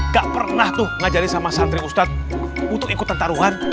gak pernah tuh ngajari sama santri ustadz untuk ikutan taruhan